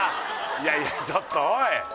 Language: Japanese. いやいやちょっとおい！